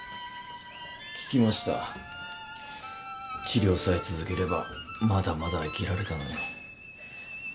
治療さえ続ければまだまだ生きられたのに。